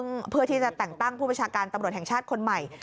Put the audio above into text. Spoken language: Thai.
เพื่อที่จะแต่งตั้งผู้ประชาการตำรวจแห่งชาติคนใหม่